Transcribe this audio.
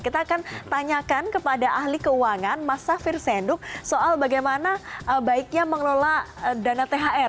kita akan tanyakan kepada ahli keuangan mas safir senduk soal bagaimana baiknya mengelola dana thr